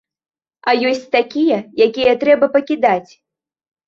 А ёсць такія, якія трэба пакідаць.